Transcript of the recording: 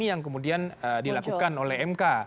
yang kemudian dilakukan oleh mk